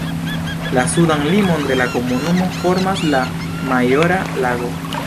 La sudan limon de la komunumo formas la Majora Lago.